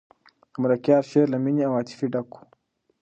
د ملکیار شعر له مینې او عاطفې ډک دی.